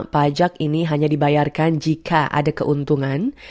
pajak ini hanya dibayarkan jika ada keuntungan